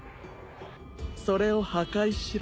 それを破壊しろ。